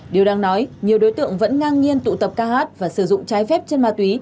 điều đang nói nhiều đối tượng vẫn ngang nhiên tụ tập ca hát và sử dụng trái phép chân ma túy